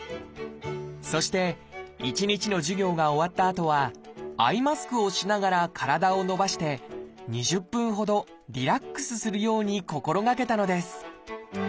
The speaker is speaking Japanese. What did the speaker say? そして一日の授業が終わったあとはアイマスクをしながら体を伸ばして２０分ほどリラックスするように心がけたのです